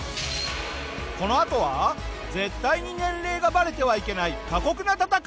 このあとは絶対に年齢がバレてはいけない過酷な闘い！